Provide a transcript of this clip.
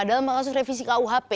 dalam kasus revisi kuhp